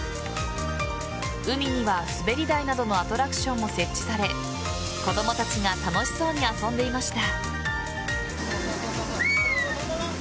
海には、滑り台などのアトラクションも設置され子供たちが楽しそうに遊んでいました。